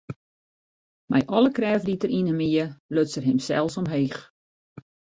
Mei alle krêft dy't er yn him hie, luts er himsels omheech.